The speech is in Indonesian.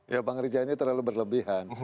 ya bang riza ini terlalu berlebihan